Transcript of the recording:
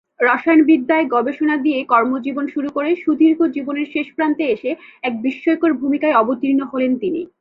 রসায়নবিদ্যায় গবেষণা দিয়ে কর্মজীবন শুরু করে, সুদীর্ঘ জীবনের শেষ প্রান্তে এসে এক বিস্ময়কর ভূমিকায় অবতীর্ণ হলেন তিনি।